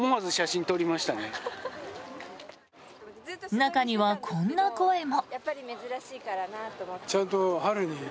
中には、こんな声も。